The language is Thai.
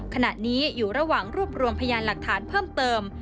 ขณะนี้อยู่ระหว่างรวบรวมพยานหลักฐานเพิ่มเติม